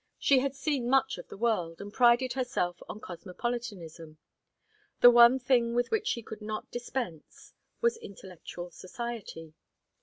She had seen much of the world, and prided herself on cosmopolitanism; the one thing with which she could not dispense was intellectual society.